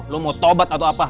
lo mau tobat atau apa